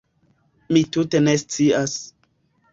Mi tute ne scias.